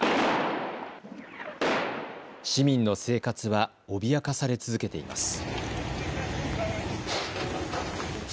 市民の生活は脅かされ続けています。